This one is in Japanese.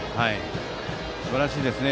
すばらしいですね。